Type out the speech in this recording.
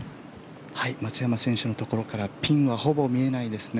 松山選手のところからピンはほぼ見えないですね。